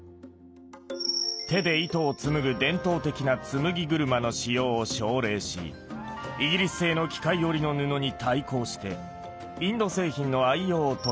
手で糸を紡ぐ伝統的なつむぎ車の使用を奨励しイギリス製の機械織りの布に対抗してインド製品の愛用を唱えました。